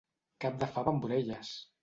Cap de fava amb orelles!